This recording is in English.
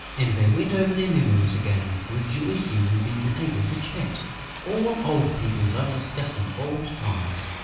And they went over their memories again, rejoicing in being able to chat. All old people love discussing old times.